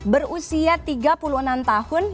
berusia tiga puluh enam tahun